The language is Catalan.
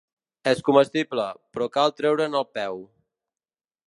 És comestible, però cal treure'n el peu.